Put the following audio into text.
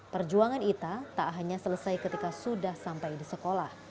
perjuangan ita tak hanya selesai ketika sudah sampai di sekolah